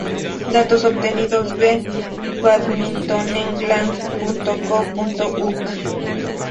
Datos obtenidos de: badmintonengland.co.uk